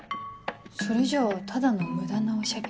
それじゃあただの無駄なおしゃべり。